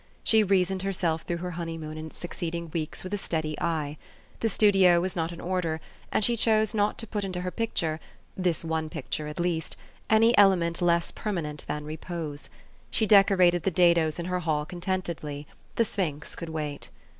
She reasoned herself through her honeymoon and its succeeding weeks with a steady eye. The studio was not in order ; and she chose not to put into her picture this one picture, at least any element less permanent than repose. She decorated the dados in her hall contentedly : the sphinx could wait.